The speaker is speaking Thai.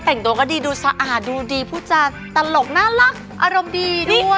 แต่งตัวก็ดีดูสะอาดดูดีผู้จาตลกน่ารักอารมณ์ดีด้วย